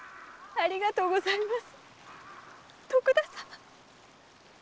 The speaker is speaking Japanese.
ありがとうございます！